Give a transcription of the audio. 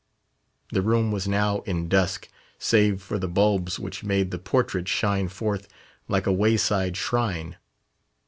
The room was now in dusk, save for the bulbs which made the portrait shine forth like a wayside shrine.